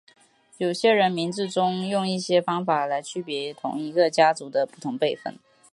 有些人名字中用一些方法来区别同一个家族的不同辈分。